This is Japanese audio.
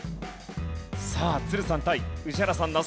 さあ都留さん対宇治原さん那須さん。